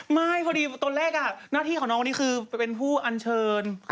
ไม่พอดีตอนแรกหน้าที่ของน้องคนนี้คือเป็นผู้อัญเชิญ